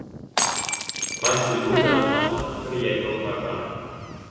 Այս ֆիլմում նրանց մասնակցությունը երկրորդական է։